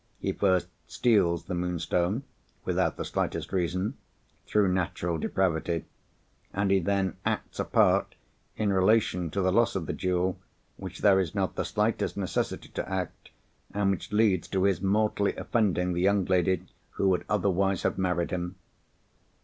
He first steals the Moonstone (without the slightest reason) through natural depravity; and he then acts a part, in relation to the loss of the jewel, which there is not the slightest necessity to act, and which leads to his mortally offending the young lady who would otherwise have married him.